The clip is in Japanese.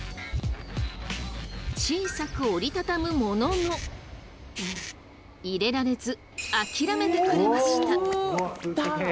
小さく折りたたむものの入れられず諦めてくれました。